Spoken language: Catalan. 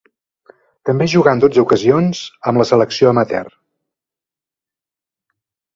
També jugà en dotze ocasions amb la selecció amateur.